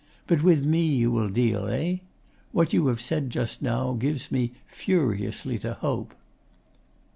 But with me you will deal, eh? What you have said just now gives me furiously to hope.